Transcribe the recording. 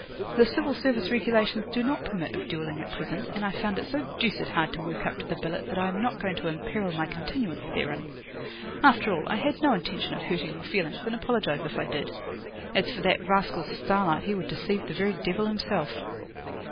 The Civil Service regulations do not permit of duelling at present, and I found it so deuced hard to work up to the billet that I am not going to imperil my continuance therein. After all, I had no intention of hurting your feelings, and apologise if I did. As for that rascal Starlight, he would deceive the very devil himself."